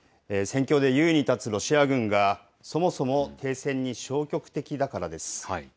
戦況で優位に立つロシア軍が、そもそも停戦に消極的だからです。